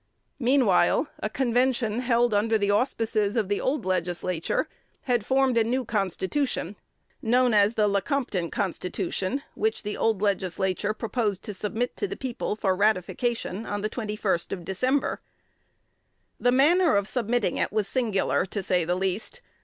Meanwhile, a convention held under the auspices of the old Legislature had formed a new constitution, known as the Lecompton Constitution, which the old Legislature proposed to submit to the people for ratification on the 21st of December. The manner of submitting it was singular, to say the least.